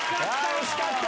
惜しかった。